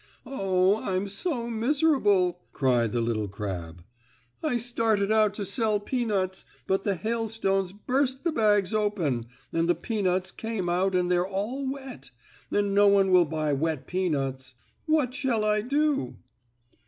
"Oh, I'm so miserable!" cried the little crab. "I started out to sell peanuts, but the hailstones burst the bags open, and the peanuts came out and they're all wet, and no one will buy wet peanuts. What shall I do?"